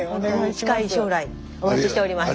近い将来お待ちしております。